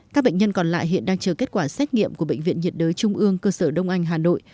các bệnh nhân còn lại hiện đang chờ kết quả xét nghiệm của bệnh viện nhiệt đới trung ương cơ sở đông anh hà nội